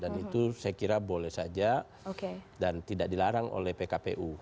dan itu saya kira boleh saja dan tidak dilarang oleh pkpu